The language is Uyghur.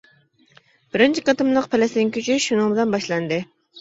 بىرىنچى قېتىملىق پەلەستىنگە كۆچۈش شۇنىڭ بىلەن باشلاندى.